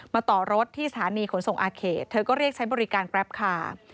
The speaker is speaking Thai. ต่อรถที่สถานีขนส่งอาเขตเธอก็เรียกใช้บริการแกรปคาร์